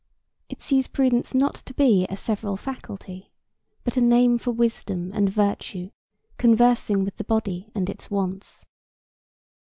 It sees prudence not to be a several faculty, but a name for wisdom and virtue conversing with the body and its wants.